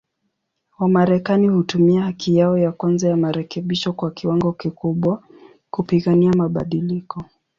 Wamarekani hutumia haki yao ya kwanza ya marekebisho kwa kiwango kikubwa, kupigania mabadiliko.